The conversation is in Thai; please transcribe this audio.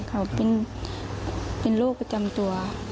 เขาเป็นโรคประจำตัว